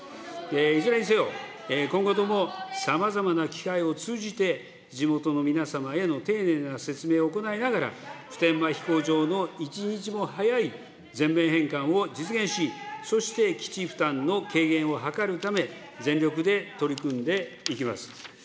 いずれにせよ、今後ともさまざまな機会を通じて、地元の皆様への丁寧な説明を行いながら、普天間飛行場の一日も早い全面返還を実現し、そして基地負担の軽減を図るため、全力で取り組んでいきます。